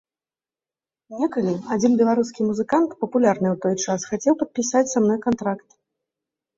Некалі адзін беларускі музыкант, папулярны ў той час, хацеў падпісаць са мной кантракт.